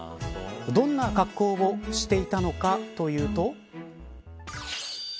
どんな格好をしていたのかというと。